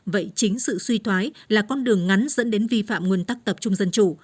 vậy chính sự suy thoái là con đường ngắn dẫn đến vi phạm nguyên tắc tập trung dân chủ